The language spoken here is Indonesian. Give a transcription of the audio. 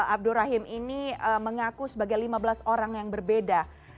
abdurrahim ini mengaku sebagai lima belas orang yang berbeda